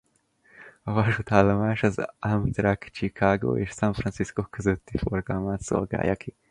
A vasútállomás az Amtrak Chicago és San Francisco közötti forgalmát szolgálja ki.